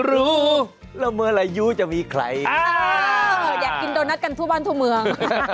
รู้แล้วเมื่อไรยูจะมีใครอยากกินโดนัทกันทั่วบ้านทั่วเมือง